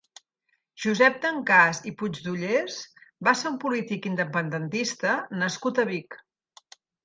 Josep Dencàs i Puigdollers va ser un polític independentista nascut a Vic.